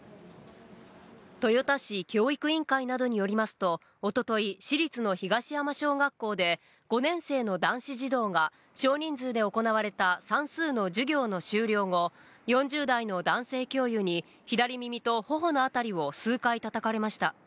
豊田市教育委員会などによりますと、おととい、市立の東山小学校で、５年生の男子児童が、少人数で行われた算数の授業の終了後、４０代の男性教諭に、左耳とほおのあたりを数回たたかれました。